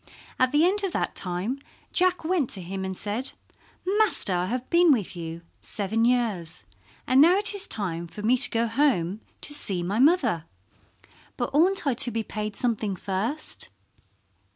At the end of that time Jack went to him and said, "Master, I have been with you seven years, and now it is time for me to go home to see my mother. But oughtn't I to be paid something first?"